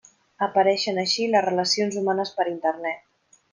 Apareixen així les relacions humanes per internet.